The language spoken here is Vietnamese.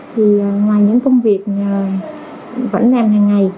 thì ngoài những công việc vẫn làm hàng ngày